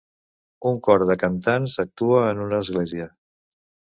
Un cor de cantants actua en una església